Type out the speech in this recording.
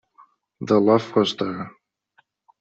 The love was there.